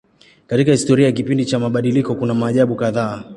Katika historia ya kipindi cha mabadiliko kuna maajabu kadhaa.